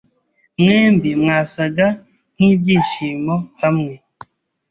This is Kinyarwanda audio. Mwembi mwasaga nkibyishimo hamwe.